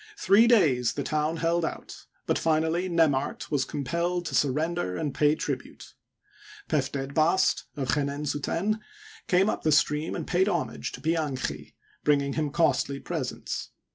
Three days the town held out ; but finally Nemart was compelled to surrender and pay tribute. Pefdedbast, of Chenensuten, now came up the stream and paid homage to Pianchi, bringing him costly presents.